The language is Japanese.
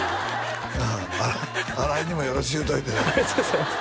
新井にもよろしゅう言うといてありがとうございます